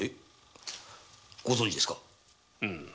ご存じですか？